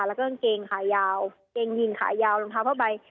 แล้วก็อังเกงขายาวอังเกงหญิงขายาวลงทางเข้าไป